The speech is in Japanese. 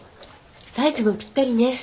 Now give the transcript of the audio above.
サイズもぴったりね。